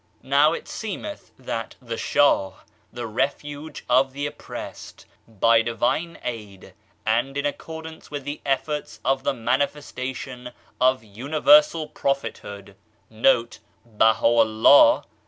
Now it seemeth that the Shah, the refuge of the oppressed, by divine aid, and in accordance with the eflforts of the Manifestation of Universal Prophethood,* hath raised the tent of justice over I Baha'u'llah.